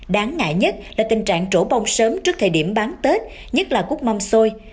đáng ngại nhất là tình trạng trổ bông sớm trước thời điểm bán tết nhất là cút mâm xôi